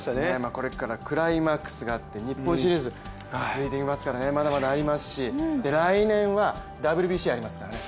これからクライマックスがあって日本シリーズ続いていきますからまだまだありますし来年はＷＢＣありますからね。